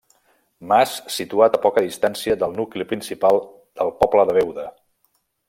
Mas situat a poca distància del nucli principal del poble de Beuda.